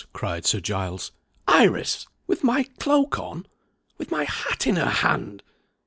cried Sir Giles. "Iris! With my cloak on!! With my hat in her hand!!!